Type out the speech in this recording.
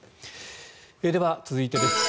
では、続いてです。